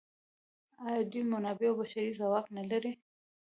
آیا دوی منابع او بشري ځواک نلري؟